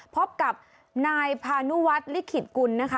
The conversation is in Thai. พบกับนายพานุวัฒน์ลิขิตกุลนะคะ